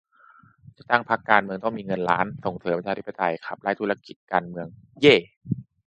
จะตั้งพรรคการเมืองต้องมีเงินล้าน ส่งเสริมประชาธิปไตย ขับไล่ธุรกิจการเมือง เย้ !